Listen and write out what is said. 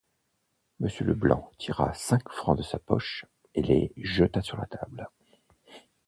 Monsieur Leblanc tira cinq francs de sa poche et les jeta sur la table.